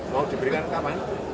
mau diberikan kapan